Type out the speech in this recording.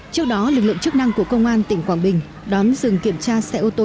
trước đó lực lượng chức năng của công an tỉnh quảng bình đón dừng kiểm tra xe ô tô